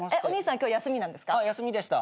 今日休みなんですか？